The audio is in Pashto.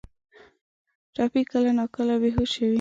ټپي کله ناکله بې هوشه وي.